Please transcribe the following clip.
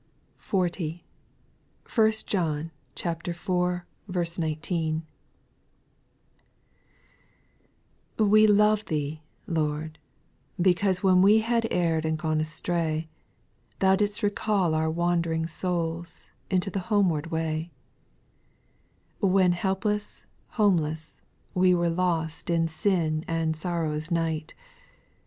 40. 1 John iv. 19. 1. ll/^E love Thee, Lord, because when we f T Had erred and gone astray, Thou didst recall our wandVing souls Into the homeward way ; When helpless, hopeless, we were lost In sin and sorrow's night.